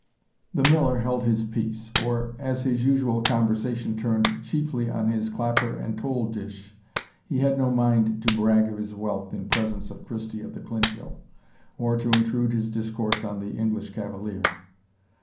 The Miller held his peace; for, as his usual conversation turned chiefly on his clapper and toll dish, he had no mind to brag of his wealth in presence of Christie of the Clinthill, or to intrude his discourse on the English cavalier.